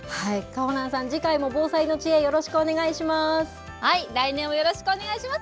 ほなんさん、次回も防災の知恵、よろしくお願いします。